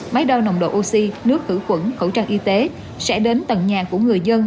máy đo nồng độ oxy nước hữu quẩn khẩu trang y tế sẽ đến tầng nhà của người dân